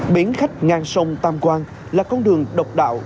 biển khách ngang sông tâm quang là con đường độc đạo